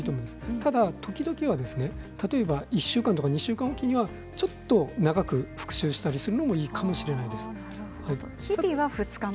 ただ時々は１週間とか２週間置きにはちょっと長く復習したりするのもいいかもしれないです。